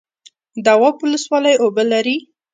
دواب ولسوالۍ اوبه لري؟